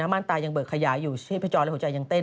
มั่นตายังเบิกขยายอยู่ชีพจรและหัวใจยังเต้น